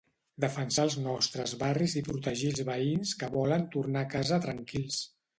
Defensar els nostres barris i protegir els veïns que volen tornar a casa tranquils